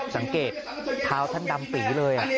สังเกตเท้าท่านดำปีเลย